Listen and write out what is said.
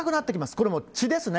これもう血ですね。